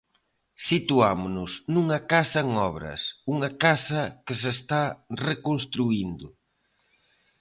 Situámonos nunha casa en obras, unha casa que se está reconstruíndo.